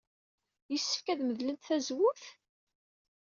Yessefk ad medlent tazewwut?